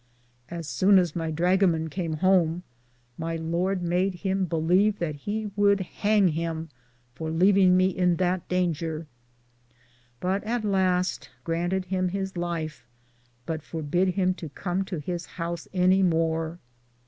Asoune as my drugaman came home, my lord made him beleve that he would hange him for leaving me in that dainger ; but at laste granted him his Life, but forbid him to com to his any more.